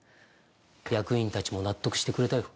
役員たちも納得してくれたよ。